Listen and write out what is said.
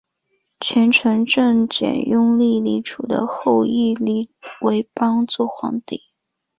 权臣郑检拥立黎除的后裔黎维邦做皇帝。